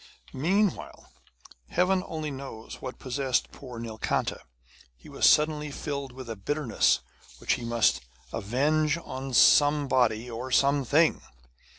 Meanwhile, heaven only knows what possessed poor Nilkanta. He was suddenly filled with a bitterness which he must avenge on somebody or something.